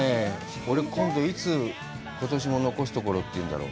俺、今度、いつ、“ことしも残すところ”って言うんだろう。